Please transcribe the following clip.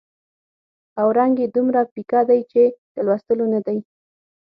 او رنګ یې دومره پیکه دی چې د لوستلو نه دی.